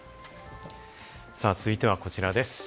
続いてはこちらです。